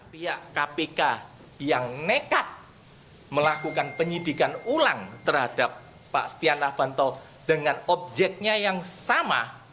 pihak kpk yang nekat melakukan penyidikan ulang terhadap pak setia novanto dengan objeknya yang sama